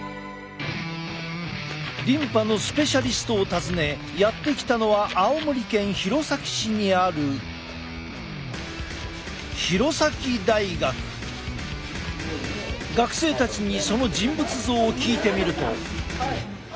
リンパのスペシャリストを訪ねやって来たのは青森県弘前市にある学生たちにその人物像を聞いてみると。